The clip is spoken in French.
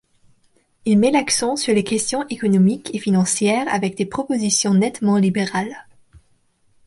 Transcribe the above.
Il met l'accent sur les questions économiques et financières avec des propositions nettement libérales.